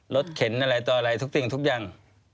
เข็นอะไรต่ออะไรทุกสิ่งทุกอย่าง